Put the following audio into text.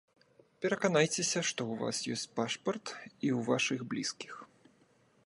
Пераканайцеся, што ў вас ёсць пашпарт і ў вашых блізкіх.